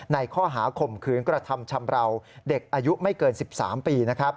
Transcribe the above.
ในข้อหาข่มขืนกระทำชำราวเด็กอายุไม่เกิน๑๓ปี